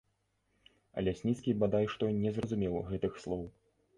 Лясніцкі бадай што не зразумеў гэтых слоў.